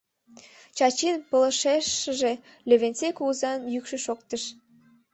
— Чачин пылышешыже Левентей кугызан йӱкшӧ шоктыш.